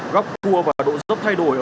góc cua và độ dốc thay đổi